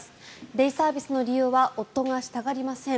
デイサービスの利用は夫がしたがりません。